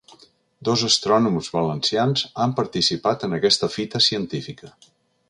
Dos astrònoms valencians han participat en aquesta fita científica.